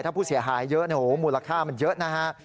ถ้าผู้เสียหายเยอะมูลค่ามันเยอะนะฮะ